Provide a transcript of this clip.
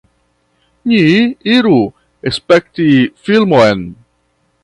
Ni iru spekti filmon.